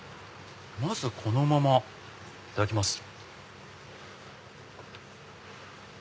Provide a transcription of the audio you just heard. まずこのままいただきます。